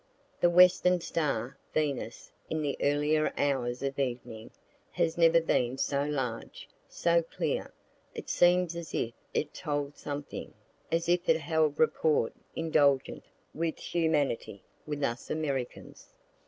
The western star, Venus, in the earlier hours of evening, has never been so large, so clear; it seems as if it told something, as if it held rapport indulgent with humanity, with us Americans.